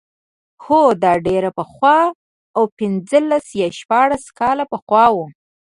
هو دا ډېر پخوا و پنځلس یا شپاړس کاله پخوا و.